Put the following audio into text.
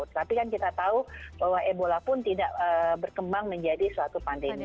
tapi kan kita tahu bahwa ebola pun tidak berkembang menjadi suatu pandemi